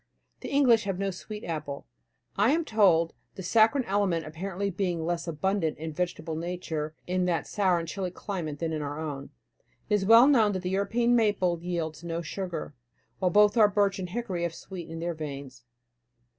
The English have no sweet apple, I am told, the saccharine element apparently being less abundant in vegetable nature in that sour and chilly climate than in our own. It is well known that the European maple yields no sugar, while both our birch and hickory have sweet in their veins.